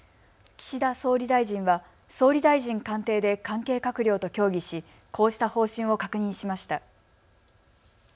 岸田総理大臣は総理大臣官邸で関係閣僚と協議しこうした方針を確認しました。